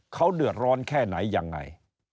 เขาเดือดร้อนแค่ไหนยังไง